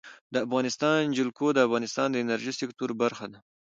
د افغانستان جلکو د افغانستان د انرژۍ سکتور برخه ده.